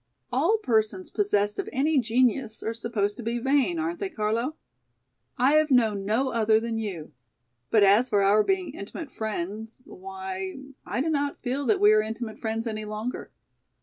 "All persons possessed of any genius are supposed to be vain, aren't they, Carlo? I have known no other than you. But as for our being intimate friends, why, I do not feel that we are intimate friends any longer.